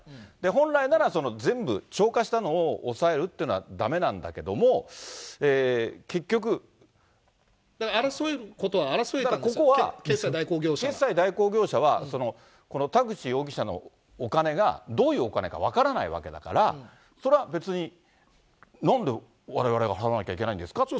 本来なら、全部超過したのを押さえるというのはだめなんだけども、争えることは争えたんですよ、決済代行業者は、この田口容疑者のお金が、どういうお金か分からないわけだから、それは別に、なんでわれわれが払わなきゃいけないんですかって。